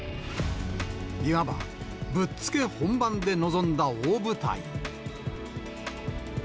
いわばぶっつけ本番で臨んだ大舞台。